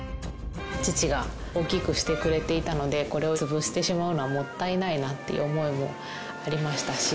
父が大きくしてくれていたのでこれを潰してしまうのはもったいないなっていう思いもありましたし。